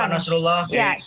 mabrur mbak nasrullah